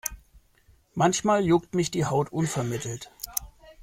Manchmal juckt mich die Haut unvermittelt.